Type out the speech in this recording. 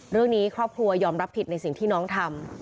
เรื่องนี้ครอบครัวยอมรับผิดในสิ่งที่น้องทำ